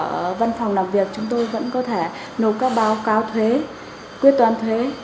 ở văn phòng làm việc chúng tôi vẫn có thể nộp các báo cáo thuế quyết toán thuế